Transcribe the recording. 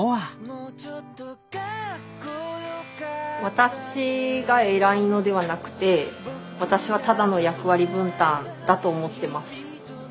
私が偉いのではなくて私はただの役割分担だと思ってます。